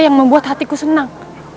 yang membuat hatiku senang